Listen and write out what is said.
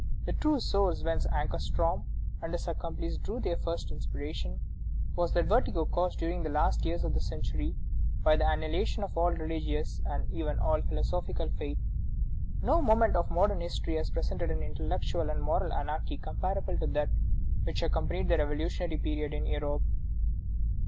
The true source whence Ankarstroem and his accomplices drew their first inspiration was that vertigo caused during the last years of the century by the annihilation of all religious and even all philosophical faith.... No moment of modern history has presented an intellectual and moral anarchy comparable to that which accompanied the revolutionary period in Europe."